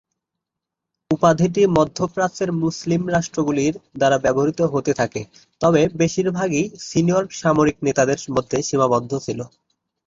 উপাধিটি মধ্যপ্রাচ্যের মুসলিম রাষ্ট্রগুলির দ্বারা ব্যবহৃত হতে থাকে, তবে বেশিরভাগই সিনিয়র সামরিক নেতাদের মধ্যে সীমাবদ্ধ ছিল।